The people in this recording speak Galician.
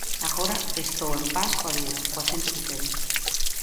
Agora estou en paz coa vida, coa xente que quero.